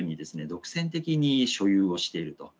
独占的に所有をしていると。